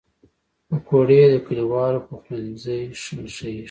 پکورې د کلیوالو پخلنځی ښيي